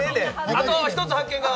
あと一つ発見が。